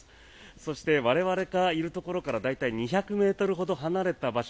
そして、我々がいるところから大体２００ｍほど離れた場所